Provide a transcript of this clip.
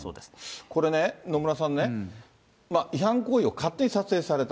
これね、野村さんね、違反行為を勝手に撮影された。